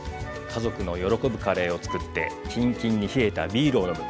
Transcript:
家族の喜ぶカレーを作ってキンキンに冷えたビールを飲む。